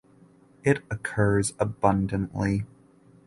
It occurs abundantly.